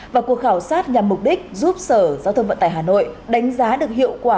và cuộc khảo sát nhằm mục đích giúp sở giao thông vận tải hà nội đánh giá được hiệu quả